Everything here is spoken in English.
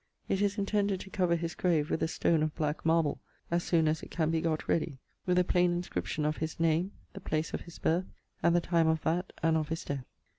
It is intended to cover his grave with a stone of black marble as soon as it can be got ready, with a plain inscription of his name, the place of his birth, and the time of that and of his death.